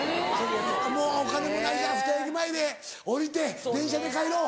もうお金もないし駅前で降りて電車で帰ろう。